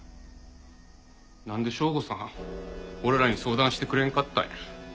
なんで省吾さん俺らに相談してくれんかったんや。